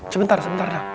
sebentar sebentar dong